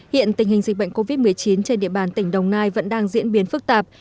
hiện tình hình dịch bệnh covid một mươi chín trên địa bàn tỉnh đồng nai vẫn đang diễn biến phức tạp